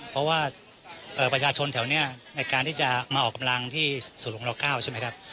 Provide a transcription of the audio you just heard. เพราะว่าประชาชนแถวนี้ในการที่จะมาออกกำลังที่ศูนย์หลวงรอ๙ใช่ไหมครับ